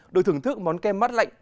để thưởng thức món kem mắt lạnh